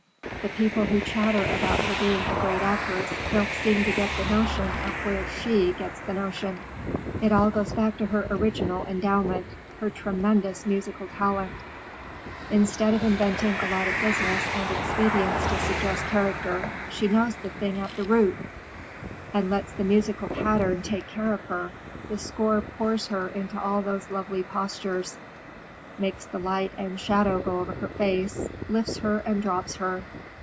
The people who chatter about her being a great actress don't seem to get the notion of where she gets the notion. It all goes back to her original endowment, her tremendous musical talent. Instead of inventing a lot of business and expedients to suggest character, she knows the thing at the root, and lets the musical pattern take care of her. The score pours her into all those lovely postures, makes the light and shadow go over her face, lifts her and drops her.